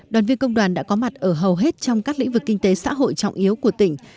đoàn viên công đoàn đã có mặt ở hầu hết trong các lĩnh vực kinh tế xã hội trọng yếu của tỉnh